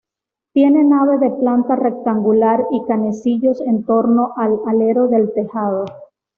Tiene nave de planta rectangular y canecillos en torno al alero del tejado.